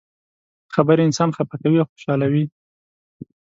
خبرې انسان خفه کوي او خوشحالوي.